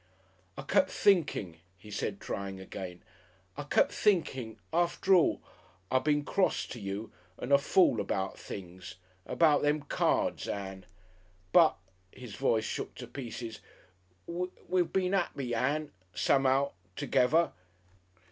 "I kep' thinking," he said, trying again, "I kep' thinking after all I been cross to you and a fool about things about them cards, Ann; but" his voice shook to pieces "we 'ave been 'appy, Ann ... some'ow ... togever."